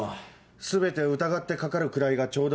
全てを疑って掛かるくらいがちょうどいい。